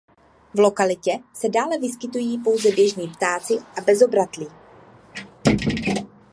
V lokalitě se dále vyskytují pouze běžní ptáci a bezobratlí.